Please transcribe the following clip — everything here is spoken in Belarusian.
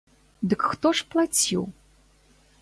Дык хто ж плаціў?